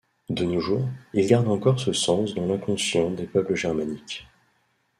De nos jours, il garde encore ce sens dans l'inconscient des peuples germaniques.